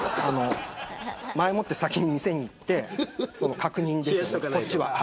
前もって先に店に行って確認ですよね、こっちは。